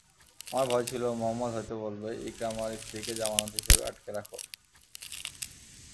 আমার ভয় ছিল, মুহাম্মাদ হয়ত বলবে, ইকরামার স্ত্রীকে জামানত হিসেবে আটকে রাখ।